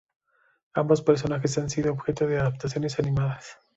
Ambos personajes han sido objeto de adaptaciones animadas.